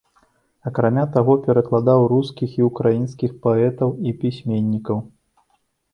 Акрамя таго перакладаў рускіх і ўкраінскіх паэтаў і пісьменнікаў.